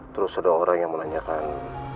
terus ada orang yang menanyakan